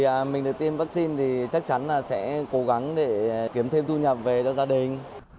thì mình được tiêm vaccine thì chắc chắn là sẽ cố gắng để kiếm thêm thu nhập về cho gia đình